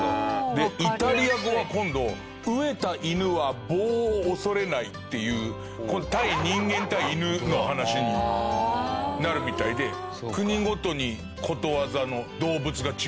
でイタリア語は今度飢えた犬は棒を恐れないっていう人間対犬の話になるみたいで国ごとにことわざの動物が違うみたいです。